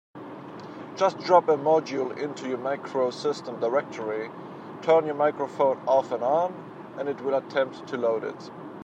Just drop a module into your MacroSystem directory, turn your microphone off and on, and it will attempt to load it.